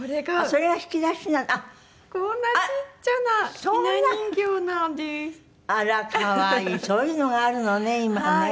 そういうのがあるのね今ね。